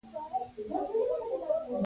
د امریکا سرمایه دې هیواد ته راوړي.